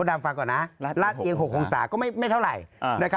ดำฟังก่อนนะลาดเอียง๖องศาก็ไม่เท่าไหร่